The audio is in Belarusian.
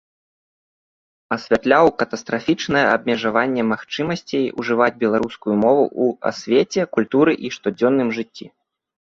Асвятляў катастрафічнае абмежаванне магчымасцей ужываць беларускую мову ў асвеце, культуры і штодзённым жыцці.